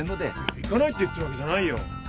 行かないって言ってるわけじゃないよ。